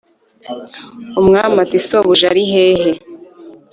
umwami ati"sobuja arihehe